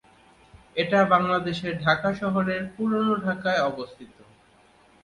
এটা বাংলাদেশের ঢাকা শহরের পুরনো ঢাকায় অবস্থিত।